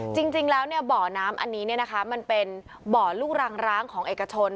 จริงจริงแล้วเนี้ยบ่อน้ำอันนี้เนี้ยนะคะมันเป็นบ่อลูกรังร้างของเอกชน